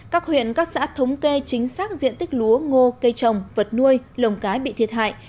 các huyện các xã thống kê chính xác diện tích lúa ngô cây trồng vật nuôi lồng cái bị thiệt hại